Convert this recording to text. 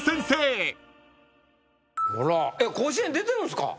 甲子園出てるんですか？